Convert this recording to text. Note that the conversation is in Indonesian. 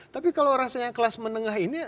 tapi kalau rasanya kelas menengah ini